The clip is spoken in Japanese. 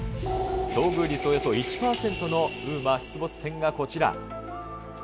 遭遇率およそ１％のＵＭＡ出没店がこちら。